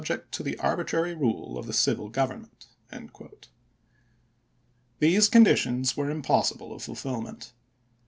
ject to the arbitrary rule of the civil government." These conditions were impossible of fulfilment.